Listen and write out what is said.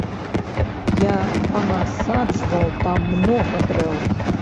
Я панасаджваў там многа дрэў.